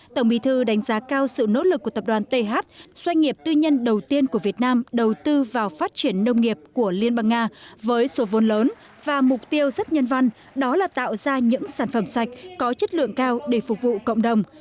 tổng bí thư đánh giá cao sự nỗ lực của tập đoàn th doanh nghiệp tư nhân đầu tiên của việt nam đầu tư vào phát triển nông nghiệp của liên bang nga với số vốn lớn và mục tiêu rất nhân văn đó là tạo ra những sản phẩm sạch có chất lượng cao để phục vụ cộng đồng